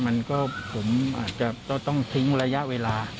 มันก็ผมอาจจะต้องทิ้งระยะเวลา